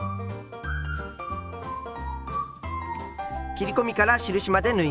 切り込みから印まで縫います。